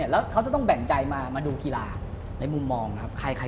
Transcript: แล้วเขาจะต้องแบ่งใจมาดูกีฬาในมุมมองครับ